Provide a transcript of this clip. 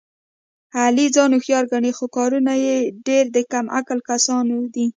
علي ځان هوښیار ګڼي، خو کارونه یې ډېر د کم عقله کسانو دي.